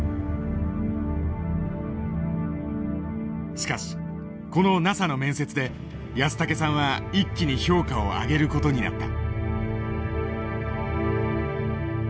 しかしこのＮＡＳＡの面接で安竹さんは一気に評価を上げる事になった。